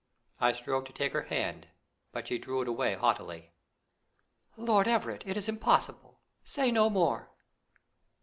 I strove to take her hand; but she drew it away haughtily. "Lord Everett, it is impossible! Say no more."